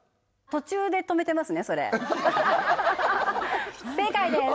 途中で止めてますねそれ正解です！